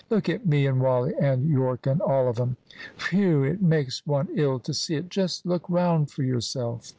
Look at me and Wally and Yorke and all of 'em. Whew! it makes one ill to see it! Just look round for yourself."